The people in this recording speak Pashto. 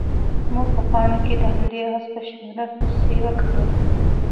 موږ په پاڼه کې د همدې اس په شمېره پسې وکتل.